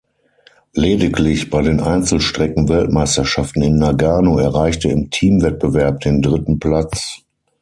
Lediglich bei den Einzelstrecken-Weltmeisterschaften in Nagano erreichte im Teamwettbewerb den dritten Platz.